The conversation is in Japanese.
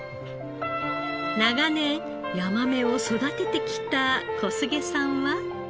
長年ヤマメを育ててきた古菅さんは？